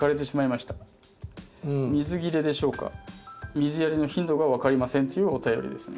「水やりの頻度が分かりません」というお便りですね。